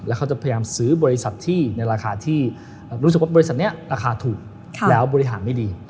แล้วเขาจะพยายามซื้อบริษัทที่ในราคาที่รู้สึกว่าบริษัทนี้ราคาถูกแล้วบริหารไม่ดี